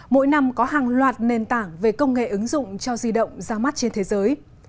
mỗi năm có hàng loạt nền tảng về công nghệ ứng dụng cho di động ra mắt trên thế giới